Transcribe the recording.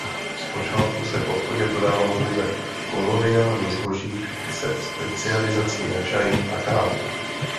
Zpočátku se v obchodě prodávalo pouze koloniální zboží se specializací na čaj a kávu.